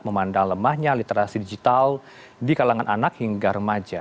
memandang lemahnya literasi digital di kalangan anak hingga remaja